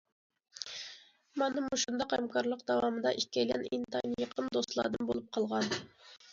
مانا مۇشۇنداق ھەمكارلىق داۋامىدا ئىككىيلەن ئىنتايىن يېقىن دوستلاردىن بولۇپ قالغان.